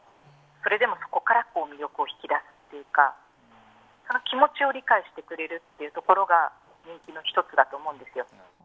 それでも、そこから魅力を引き出すというか気持ちを理解してくれるところが人気の１つだと思うんですよ。